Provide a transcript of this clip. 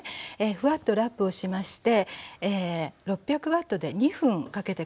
ふわっとラップをしまして６００Ｗで２分かけて下さい。